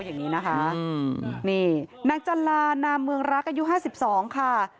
อย่างนี้นะคะนี่นางจันลานามเมืองรักอายุ๕๒ค่ะ